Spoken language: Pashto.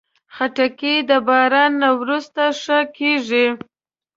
خټکی د باران نه وروسته ښه کېږي.